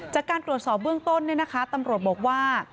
จากการตรวจสอบเบื้องต้นเนี่ยนะคะตำรวจบอกว่า